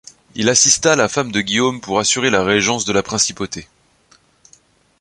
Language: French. Il assista la femme de Guillaume pour assurer la régence de la principauté.